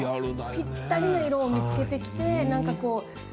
ぴったりの色を見つけて。